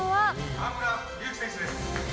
河村勇輝選手です。